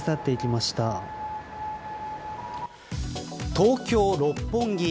東京、六本木。